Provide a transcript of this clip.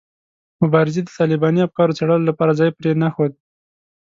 مبارزې د طالباني افکارو څېړلو لپاره ځای پرې نه ښود.